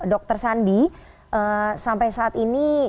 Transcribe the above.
dr sandi sampai saat ini